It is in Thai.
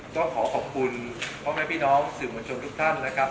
ก็ขอขอบคุณพ่อแม่พี่น้องสื่อมวลชนทุกท่านนะครับ